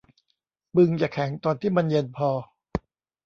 บึงจะแข็งตอนที่มันเย็นพอ